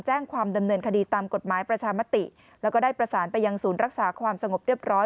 แจ้งความดำเนินคดีตามกฎหมายประชามติแล้วก็ได้ประสานไปยังศูนย์รักษาความสงบเรียบร้อย